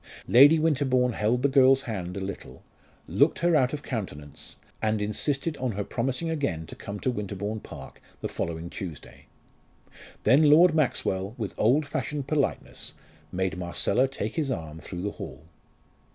Lady Winterbourne held the girl's hand a little, looked her out of countenance, and insisted on her promising again to come to Winterbourne Park the following Tuesday. Then Lord Maxwell, with old fashioned politeness, made Marcella take his arm through the hall.